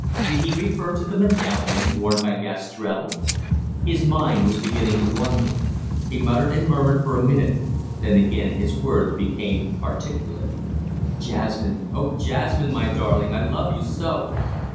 Did he refer to the medallion worn by Gastrell? His mind was beginning to wander. He muttered and murmured for a minute, then again his words became articulate. "Jasmine oh, Jasmine my darling, I love you so!"